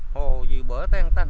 hồ gì bởi tan tan hết